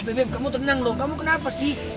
beb kamu tenang lho kamu kenapa sih